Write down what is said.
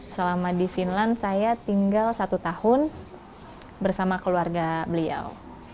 selama di finland saya tinggal satu tahun bersama keluarga beliau